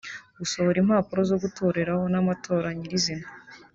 gusohora impapuro zo gutoreraho n’amatora nyir’izina